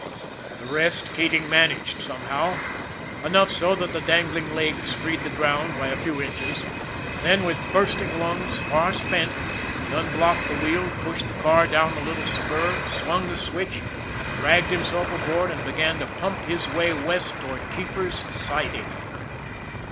The rest Keating managed somehow, enough so that the dangling legs freed the ground by a few inches; then, with bursting lungs, far spent, he unblocked the wheels, pushed the car down the little spur, swung the switch, dragged himself aboard, and began to pump his way west toward Keefer's Siding.